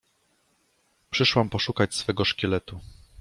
Przyszłam poszukać swego szkieletu.